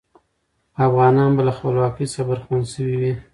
افغانان به له خپلواکۍ څخه برخمن سوي وي.